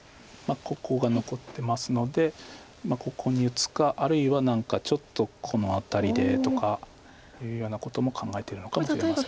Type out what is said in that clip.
ここが残ってますのでここに打つかあるいは何かちょっとこの辺りでとかいうようなことも考えてるのかもしれません。